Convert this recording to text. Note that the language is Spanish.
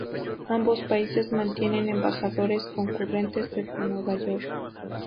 Ambos países mantienen embajadores concurrentes desde Nueva York.